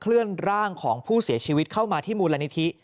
เลื่อนร่างของผู้เสียชีวิตเข้ามาที่มูลนิธิ